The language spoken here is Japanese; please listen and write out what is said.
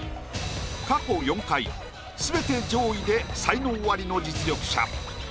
過去４回全て上位で才能アリの実力者。